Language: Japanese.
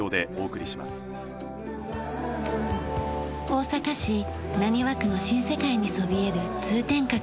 大阪市浪速区の新世界にそびえる通天閣。